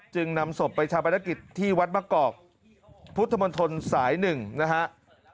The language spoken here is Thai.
นำศพไปชาปนกิจที่วัดมะกอกพุทธมนตรสาย๑นะครับ